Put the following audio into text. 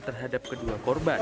terhadap kedua korban